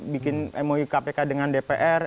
bikin mou kpk dengan dpr